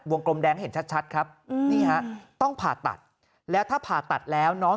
กลมแดงเห็นชัดครับนี่ฮะต้องผ่าตัดแล้วถ้าผ่าตัดแล้วน้อง